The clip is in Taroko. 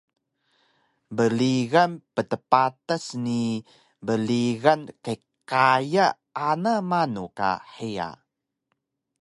brigan ptpatas ni brigan qyqaya ana manu ka hiya